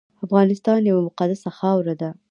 افغانستان یوه مقدسه خاوره ده